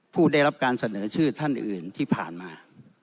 ผู้ได้รับการเสนอชื่อท่านอื่นที่ผ่านมา